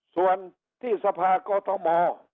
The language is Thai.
ส่วนที่สภากอทม